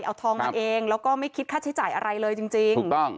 เอาทองมาเองแล้วก็ไม่คิดค่าใช้จ่ายอะไรเลยจริงถูกต้อง